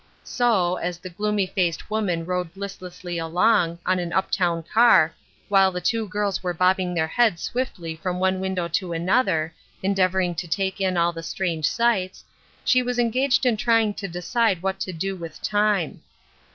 So, as the gloomy faced woman rode listlessly along, on an up town car, while the two girls were bobbing their heads swiftly from one window to another, endeavoring to take in all the strange sights, she was en gaged in trying to decide what to do with time.